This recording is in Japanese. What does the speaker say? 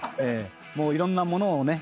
「もう色んなものをね